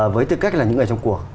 với tư cách là những người trong cuộc